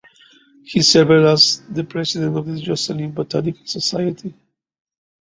He served as the president of the Josselyn Botanical Society.